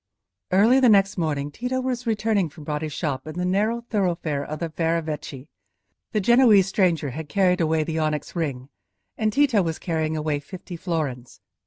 Early the next morning Tito was returning from Bratti's shop in the narrow thoroughfare of the Ferravecchi. The Genoese stranger had carried away the onyx ring, and Tito was carrying away fifty florins.